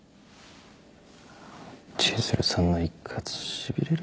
千鶴さんの一喝しびれる。